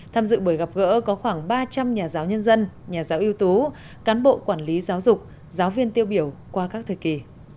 tham dự buổi gặp gỡ có khoảng ba trăm linh nhà giáo nhân dân nhà giáo ưu tú cán bộ quản lý giáo dục giáo viên tiêu biểu qua các thời kỳ